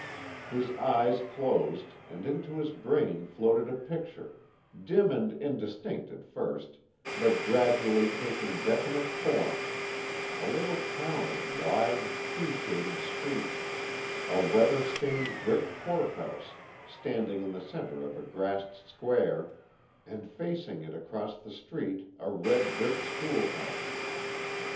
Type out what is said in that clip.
His eyes closed and into his brain floated a picture, dim and indistinct, at first, but gradually taking definite form a little town of wide, tree shaded streets, a weather stained brick courthouse standing in the centre of a grassed square, and facing it across the street a red brick schoolhouse.